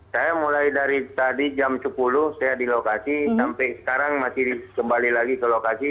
saya mulai dari tadi jam sepuluh saya di lokasi sampai sekarang masih kembali lagi ke lokasi